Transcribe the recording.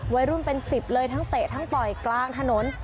วัยรุ่นเป็น๑๐เลยทั้งเตะทั้งต่อยกลางถนน